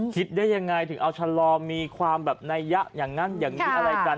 คิดได้ยังไงถึงเอาชะลอมีความแบบนัยยะอย่างนั้นอย่างนี้อะไรกัน